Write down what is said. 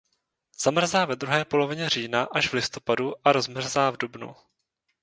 Zamrzá ve druhé polovině října až v listopadu a rozmrzá v dubnu.